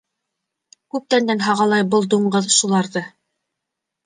Күптәндән һағалай был дуңғыҙ шуларҙы.